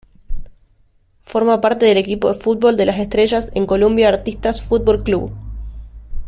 Forma parte del equipo de fútbol de las estrellas en Colombia Artistas Fútbol Club.